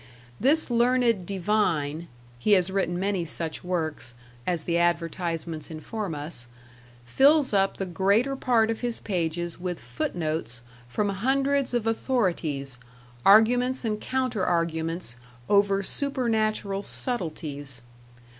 This learned divine he has written many such works, as the advertisements inform us fills up the greater part of his pages with foot notes from hundreds of authorities, arguments and counter arguments over supernatural subtleties.